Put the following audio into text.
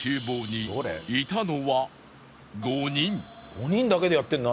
５人だけでやってんの？